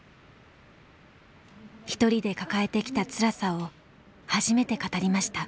一人で抱えてきたつらさを初めて語りました。